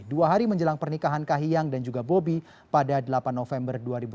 dua hari menjelang pernikahan kahiyang dan juga bobi pada delapan november dua ribu dua puluh